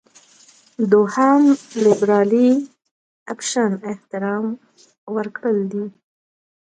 دوهم لېبرالي اپشن احترام ورکړل دي.